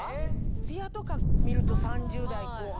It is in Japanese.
ツヤとか見ると３０代後半。